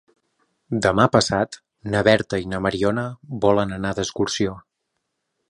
Demà passat na Berta i na Mariona volen anar d'excursió.